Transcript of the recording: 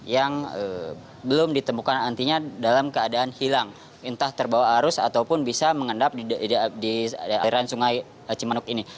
yang belum ditemukan antinya dalam keadaan hilang entah terbawa arus ataupun bisa mengendap di aliran sungai cimanuk ini